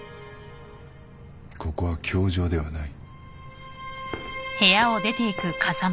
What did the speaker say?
ここは教場ではない。